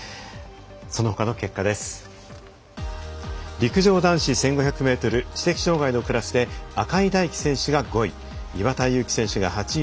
陸上男子１５００ｍ知的障がいのクラスで赤井大樹選手が５位。